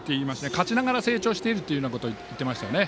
勝ちながら成長しているというようなことを言っていましたよね。